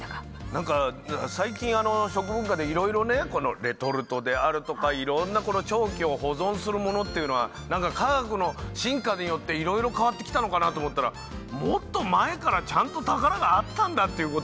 なんか最近食文化でいろいろねレトルトであるとかいろんな長期保存するものっていうのは科学の進化によっていろいろ変わってきたのかなと思ったらもっと前からちゃんと宝があったんだっていうことをね